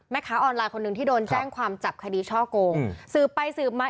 ออนไลน์คนหนึ่งที่โดนแจ้งความจับคดีช่อโกงสืบไปสืบมา